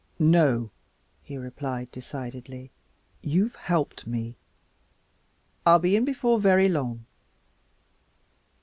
"No," he replied decidedly, "you've helped me. I'll be in before very long."